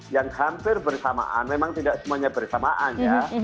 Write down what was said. yang hampir bersamaan memang tidak semuanya bersamaan ya